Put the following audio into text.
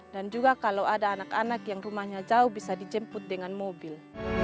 dan juga kalau ada anak anak yang rumahnya jauh bisa dijemput dengan mobil